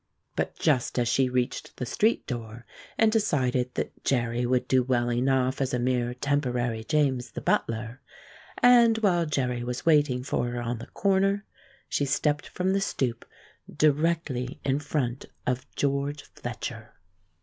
But just as she reached the street door and decided that Jerry would do well enough as a mere temporary James the butler, and while Jerry was waiting for her on the corner, she stepped from the stoop directly in front of George Fletcher.